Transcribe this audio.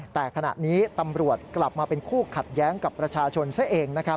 แต่ขณะนี้ตำรวจกลับมาเป็นคู่ขัดแย้งกับประชาชนซะเอง